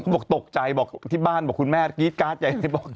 บอกตกใจบอกที่บ้านบอกคุณแม่กรี๊ดการ์ดใหญ่เลยบอก